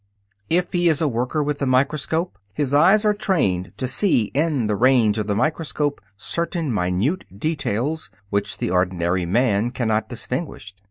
If he is a worker with the microscope, his eyes are trained to see in the range of the microscope certain minute details which the ordinary man cannot distinguish.